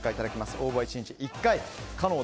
応募は１日１回、可能です。